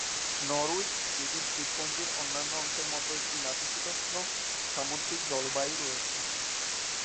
Norwich, British দ্বীপপুঞ্জের অন্যান্য অংশের মতো, একটি নাতিশীতোষ্ণ সামুদ্রিক জলবায়ু রয়েছে।